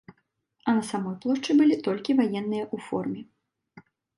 А на самой плошчы былі толькі ваенныя ў форме.